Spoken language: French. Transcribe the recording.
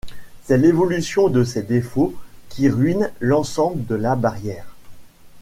C’est l’évolution de ces défauts qui ruine l’ensemble de la barrière.